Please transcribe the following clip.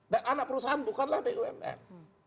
dan anak perusahaan bukanlah bumn